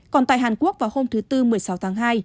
còn tại hàn quốc vào hôm thứ tư một mươi sáu tháng hai